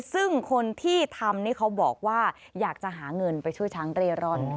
ซึ่งคนที่ทำนี่เขาบอกว่าอยากจะหาเงินไปช่วยช้างเร่ร่อน